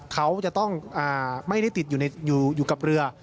เขาจะต้องไม่ได้ติดอยู่กับเรือ